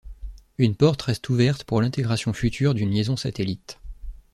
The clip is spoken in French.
Une porte reste ouverte pour l'intégration future d'une liaison satellite.